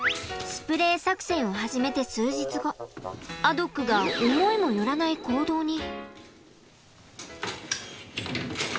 スプレー作戦を始めて数日後アドックが思いもよらない行動に。